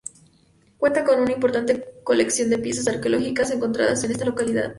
Cuenta con una importante colección de piezas arqueológicas encontradas en esta localidad.